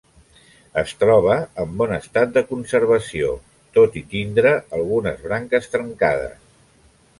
Es troba en bon estat de conservació, tot i tindre algunes branques trencades.